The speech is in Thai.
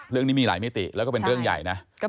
อย่าอย่าอย่าอย่าอย่าอย่าอย่าอย่าอย่าอย่า